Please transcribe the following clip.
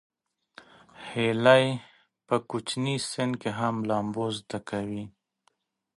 هیلۍ په کوچني سن کې هم لامبو زده کوي